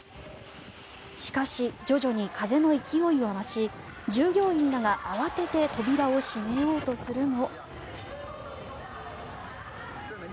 しかし、徐々に風の勢いは増し従業員らが慌てて扉を閉めようとするも。